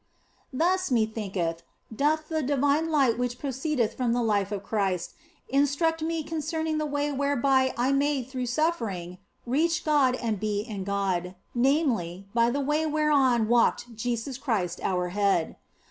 Thus, methinketh, doth the divine light which pro ceedeth from the life of Christ instruct me concerning the 90 THE BLESSED ANGELA way whereby I may through suffering reach God and be in God, namely, by that way whereon walked Jesus Christ our Head.